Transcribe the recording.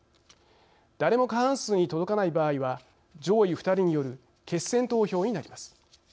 誰も過半数に届かない場合は上位２人による決選投票になります。